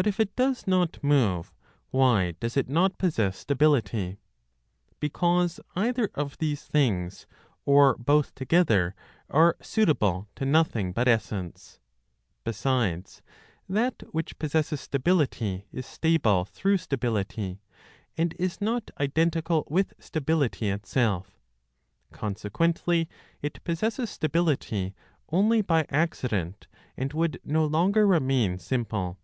But if it does not move, why does it not possess stability? Because either of these things, or both together, are suitable to nothing but essence. Besides, that which possesses stability is stable through stability, and is not identical with stability itself; consequently it possesses stability only by accident, and would no longer remain simple.